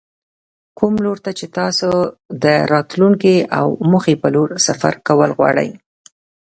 کوم لور ته چې تاسې د راتلونکې او موخې په لور سفر کول غواړئ.